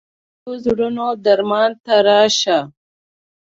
د ماتو زړونو درمان ته راشه